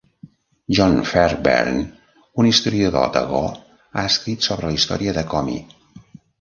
John Fairbairn, un historiador de Go, ha escrit sobre la història de Komi.